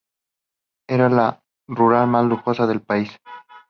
Era la rural más lujosa del país.